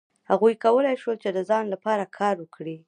هغوی کولای شول چې د ځان لپاره کار وکړي.